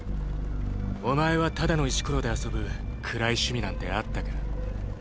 お前はただの石ころで遊ぶ暗い趣味なんてあったか？